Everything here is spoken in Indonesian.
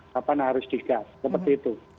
kapan harus digas seperti itu